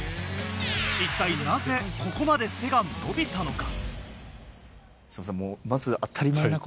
一体なぜここまで背が伸びたのか？